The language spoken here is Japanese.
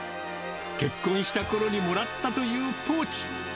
結婚したころにもらったというポーチ。